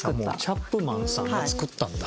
チャップマンさんが作ったんだ。